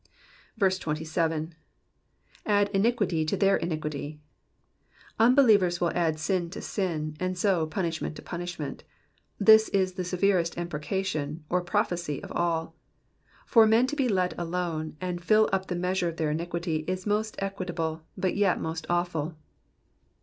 *' 27. ''''Add iniquity unto their iniquity,'*'* Unbelievers will add sin to sin, and so, punishment to punishment. This is the severest imprecation, or prophecy, of all. For men to be let alone to fill up the measure of their iniquity, is most equitable, but yet most awful.